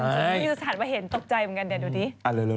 มีสถานประเหตุตกใจเหมือนกันเนี่ยดูดิ